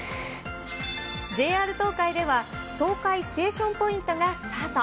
ＪＲ東海では、トーカイステーションポイントがスタート。